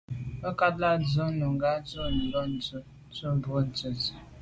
Mə̀kát sə̌ lá’ nùngá nǔ nə̀ lódə tsə̀mô shûn tsə́.